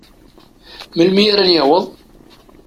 Melmi ara n-yaweḍ?